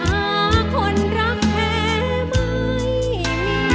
อาคนรักแค่ไม่มี